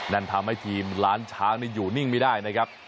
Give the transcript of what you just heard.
นั่นทำให้ทีมล้านช้างอยู่นิ่งไม่ได้นะครับ